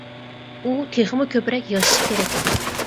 ئۇ تېخىمۇ كۆپرەك ياشىشى كېرەك ئىدى.